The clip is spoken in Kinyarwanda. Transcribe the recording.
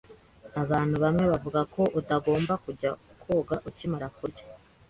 Abantu bamwe bavuga ko utagomba kujya koga ukimara kurya.